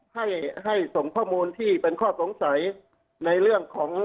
ให้ให้ส่งข้อมูลที่เป็นข้อสงสัยในเรื่องของ